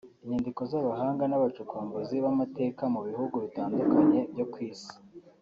Inyandiko z’Abahanga n’abacukumbuzi b’amateka mu bihugu bitandukanye byo ku Isi